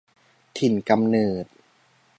ถิ่นกำเนิด